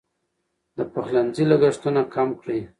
د پخلنځي لګښتونه کم کړئ.